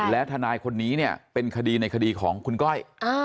และทนายคนนี้เนี่ยเป็นคดีในคดีของคุณก้อย